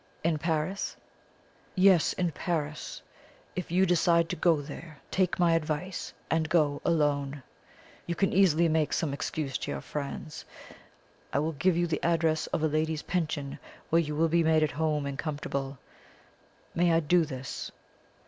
"In Paris?" "Yes, in Paris. If you decide to go there, take my advice, and go alone. You can easily make some excuse to your friends. I will give you the address of a ladies' Pension, where you will be made at home and comfortable. May I do this?"